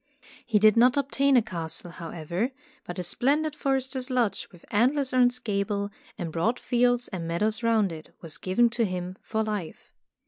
He did not obtain a castle, however, but a splendid forester's lodge with antlers on its gable and broad fields and meadows round it, was given to him for life.